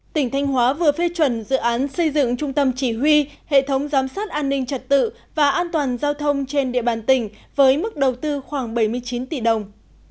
tỉnh thanh hóa vừa phê chuẩn dự án xây dựng trung tâm chỉ huy hệ thống giám sát an ninh trật tự và an toàn giao thông trên địa bàn tỉnh với mức đầu tư khoảng bảy mươi chín tỷ đồng